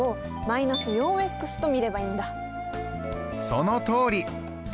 そのとおり。